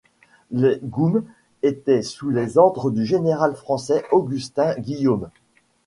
Les goums étaient sous les ordres du général français Augustin Guillaume.